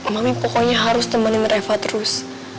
mama pokoknya harus temenin reva terus